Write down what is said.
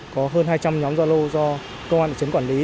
có hơn hai trăm linh nhóm gia lô do công an thị trấn quản lý